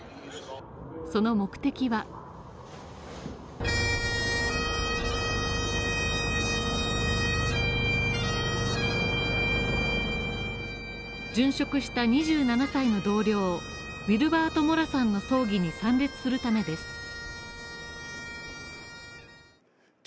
その目的は殉職した２７歳の同僚、ウィルバート・モラさんの葬儀に参列するためです。